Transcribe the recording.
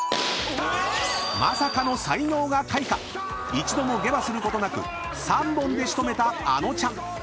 ［一度も下馬することなく３本で仕留めたあのちゃん］